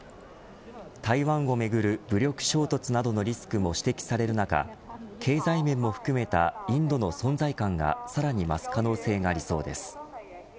台湾をめぐる武力衝突などのリスクも指摘される中経済面も含めたインドの存在感が、さらに増す可能性がありそうです。